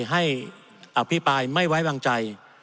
ให้อภิปรายไม่ไว้วางใจ